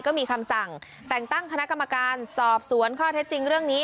ก็มีคำสั่งแต่งตั้งคณะกรรมการสอบสวนข้อเท็จจริงเรื่องนี้